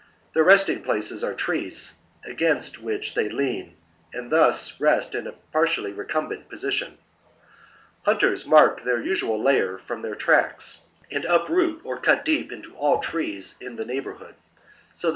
Their resting places are trees, against which they lean, and thus rest in a partially recumbent position. Hunters mark their usual lair from their tracks, and uproot or cut deep into all the trees in the ^ Or, if we accept W.